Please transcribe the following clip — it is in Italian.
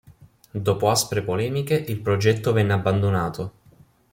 Dopo aspre polemiche il progetto venne abbandonato.